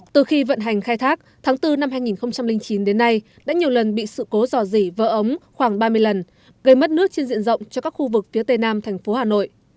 từ khi vận hành khai thác tháng bốn năm hai nghìn chín đến nay đã nhiều lần bị sự cố dò dỉ vỡ ống khoảng ba mươi lần gây mất nước trên diện rộng cho các khu vực phía tây nam thành phố hà nội